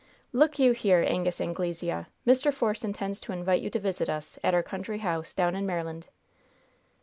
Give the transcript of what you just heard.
"Look you here, Angus Anglesea! Mr. Force intends to invite you to visit us at our country house, down in Maryland."